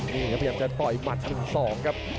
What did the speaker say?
นี่ครับพยายามจะต่อยมัดทั้งสองครับ